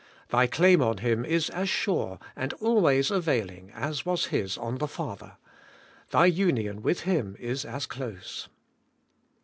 Thy claim on Him is as sure and always availing as was His on the Father. Thy union with Him is as close.